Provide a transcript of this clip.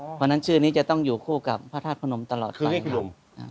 เพราะฉะนั้นชื่อนี้จะต้องอยู่คู่กับพระธาตุพนมตลอดไป